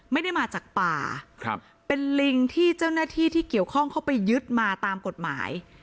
ไม่ได้มาจากป่าครับเป็นลิงที่เจ้าหน้าที่ที่เกี่ยวข้องเข้าไปยึดมาตามกฎหมาย